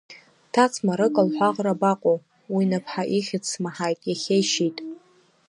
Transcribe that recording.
Ҭац Марыка лҳәаӷра абаҟоу, уи Наԥҳа ихьыӡ смаҳаит иахьа ишьит.